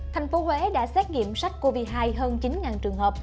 thành phố huế đã xét nghiệm sách covid một mươi chín hơn chín trường hợp